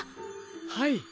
はい